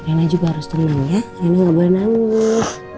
rena juga harus tenang ya rena gak boleh nangis